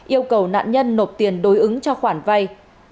yêu cầu nạn nhân nộp tiền đối ứng cho khoản vay